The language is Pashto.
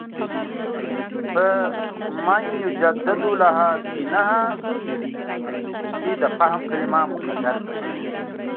په «مَن یُجَدِّدُ لَهَا دِینَهَا» کې د «فهم» کلمه مقدر ګڼي.